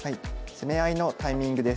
「攻め合いのタイミング」です。